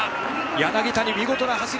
柳谷、見事な走り！